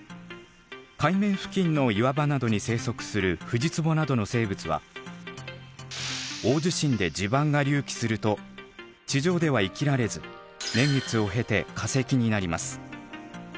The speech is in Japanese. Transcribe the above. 海面付近の岩場などに生息するフジツボなどの生物は大地震で地盤が隆起すると地上では生きられず年月を経て化石になります。